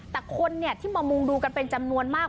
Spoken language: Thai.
แต่คนที่มามุงดูกันเป็นจำนวนมาก